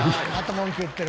文句言ってる」